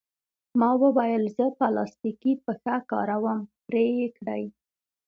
ما وویل: زه پلاستیکي پښه کاروم، پرې یې کړئ.